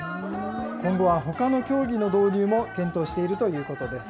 今後はほかの競技の導入も検討しているということです。